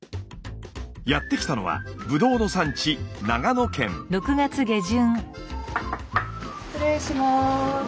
やって来たのはブドウの産地失礼します。